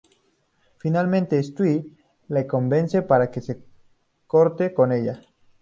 Finalmente Stewie le convence para que corte con ella.